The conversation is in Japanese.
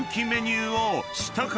［メニュー］